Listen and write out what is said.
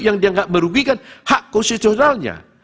yang dianggap merugikan hak konstitusionalnya